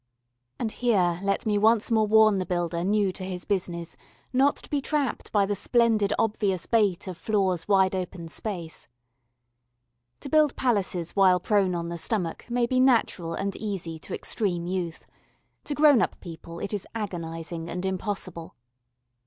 And here let me once more warn the builder new to his business not to be trapped by the splendid obvious bait of floor's wide space. To build palaces while prone on the stomach may be natural and easy to extreme youth. To grown up people it is agonising and impossible.